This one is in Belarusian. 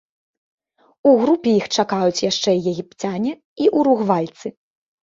У групе іх чакаюць яшчэ егіпцяне і уругвайцы.